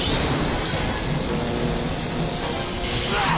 うわっ！